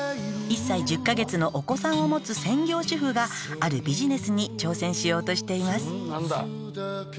「１歳１０カ月のお子さんを持つ専業主婦があるビジネスに挑戦しようとしています」